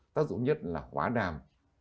tác dụng nhất là hóa đàm